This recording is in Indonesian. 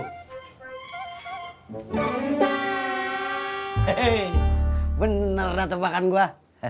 hei beneran tembakan gue